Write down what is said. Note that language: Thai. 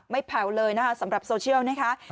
แผ่วเลยนะคะสำหรับโซเชียลนะคะ